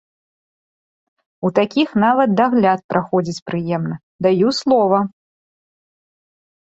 У такіх нават дагляд праходзіць прыемна, даю слова!